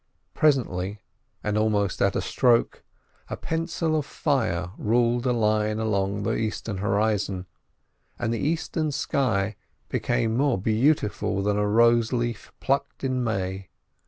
Presently, and almost at a stroke, a pencil of fire ruled a line along the eastern horizon, and the eastern sky became more beautiful than a rose leaf plucked in May.